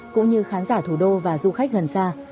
cũng như khán giả thủ đô và du khách gần xa